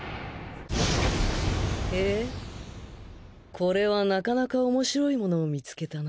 へぇこれはなかなかおもしろいものを見つけたな。